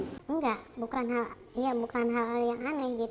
enggak bukan hal yang aneh gitu